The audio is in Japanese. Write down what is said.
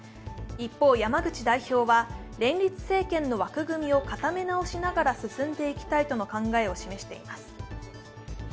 一方、山口代表は連立政権の枠組みを固め直しながら進んでいきたいとの考えを示しています。